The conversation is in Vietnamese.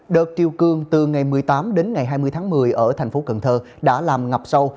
đợt chiều cương từ ngày một mươi tám đến ngày hai mươi tháng một mươi ở thành phố cần thơ đã làm ngập sâu